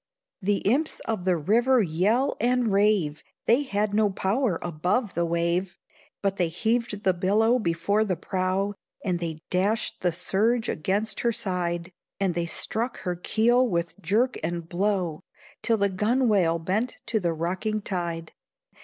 The imps of the river yell and rave; They had no power above the wave, But they heaved the billow before the prow, And they dashed the surge against her side, And they struck her keel with jerk and blow, Till the gunwale bent to the rocking tide.